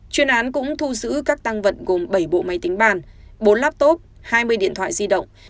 chuyên án cũng thu giữ các tăng vật gồm bảy bộ máy tính bàn bốn laptop hai mươi điện thoại di động